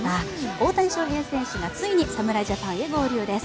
大谷翔平選手がついに侍ジャパンへ合流です。